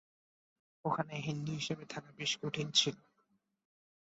ওখানে হিন্দু হিসেবে থাকা বেশ কঠিন ছিল।